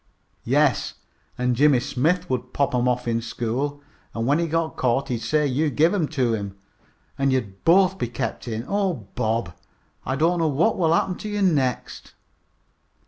"Yes, and Jimmy Smith would pop 'em off in school, and when he got caught he'd say you gave 'em to him, and you'd both be kept in. Oh, Bob, I don't know what will happen to you next!"